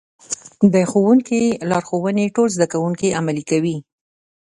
د ښوونکي لارښوونې ټول زده کوونکي عملي کوي.